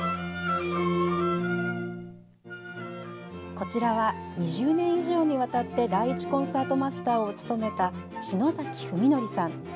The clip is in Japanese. こちらは、２０年以上にわたって第１コンサートマスターを務めた篠崎史紀さん。